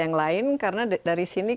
yang lain karena dari sini